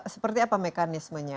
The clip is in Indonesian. seperti apa mekanismenya